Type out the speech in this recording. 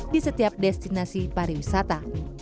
di setiap destinasi pariwisata